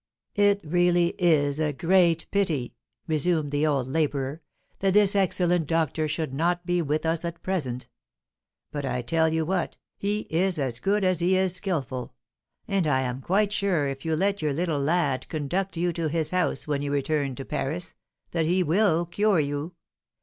"It really is a great pity," resumed the old labourer, "that this excellent doctor should not be with us at present; but I tell you what, he is as good as he is skilful, and I am quite sure if you let your little lad conduct you to his house when you return to Paris, that he will cure you.